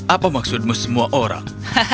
apa maksudmu semua orang